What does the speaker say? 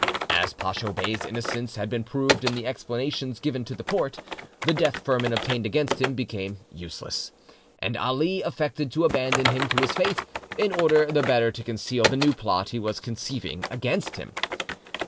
As Pacho Bey's innocence had been proved in the explanations given to the Porte, the death firman obtained against him became useless, and Ali affected to abandon him to his fate, in order the better to conceal the new plot he was conceiving against him.